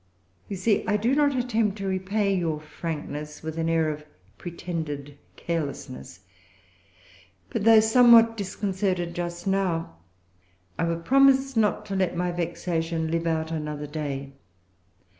You see I do not attempt to repay your frankness with an air of pretended carelessness. But, though somewhat disconcerted just now, I will promise not to let my vexation live out another day.